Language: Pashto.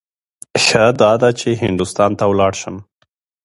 ښه داده چې هندوستان ته ولاړ شم.